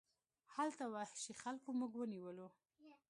هلته وحشي خلکو موږ ونیولو.